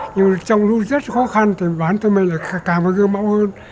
nhưng trong lúc rất khó khăn thì bản thân mình là càng phải gương mẫu hơn